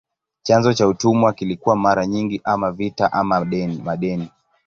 Chanzo cha utumwa kilikuwa mara nyingi ama vita ama madeni.